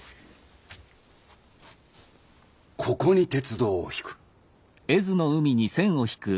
ここに鉄道をひく。